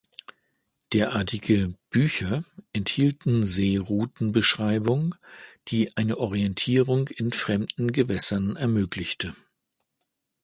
Derartige „Bücher“ enthielten eine Seerouten-Beschreibung, die eine Orientierung in fremden Gewässern ermöglichte.